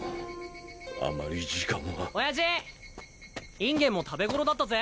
インゲンも食べ頃だったぜ。